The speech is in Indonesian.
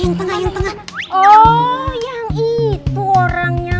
oh yang itu orangnya